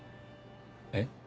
えっ？